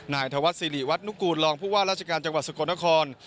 ธวัฒนศิริวัตนุกูลรองผู้ว่าราชการจังหวัดสกลนคร